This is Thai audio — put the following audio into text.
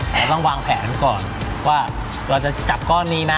แต่ต้องวางแผนก่อนว่าเราจะจับก้อนนี้นะ